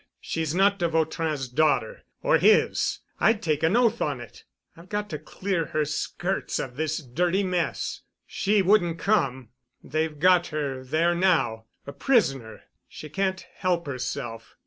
She's not de Vautrin's daughter—or his—I'd take an oath on it. I've got to clear her skirts of this dirty mess. She wouldn't come. They've got her there now—a prisoner. She can't help herself.